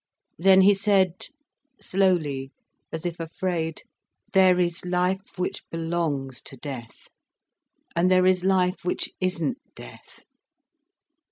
Then he said, slowly, as if afraid: "There is life which belongs to death, and there is life which isn't death.